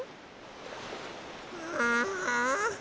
ああ。